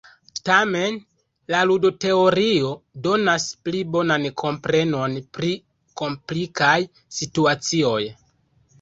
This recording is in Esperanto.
Tamen, la ludo-teorio donas pli bonan komprenon pri komplikaj situacioj.